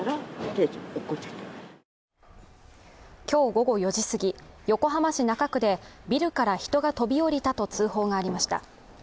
今日午後４時過ぎ、横浜市中区でビルから人が飛び降りたと通報がありました。